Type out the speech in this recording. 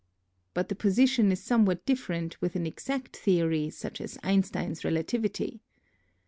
But the position is some what different with an exact theory, such as Einstein's relativity.